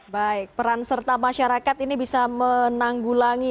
baik peran serta masyarakat ini bisa menanggulangi